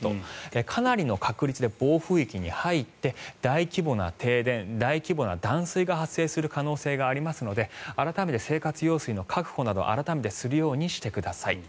かなりの確率で暴風域に入って大規模な停電、大規模な断水が発生する可能性がありますので改めて生活用水の確保などするようにしてください。